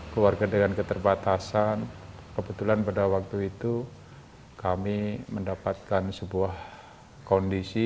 keluarga dengan keterbatasan kebetulan pada waktu itu kami mendapatkan sebuah kondisi